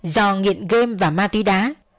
do nghiện game và ma túy đá